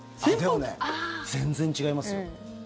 でも、全然違いますよ。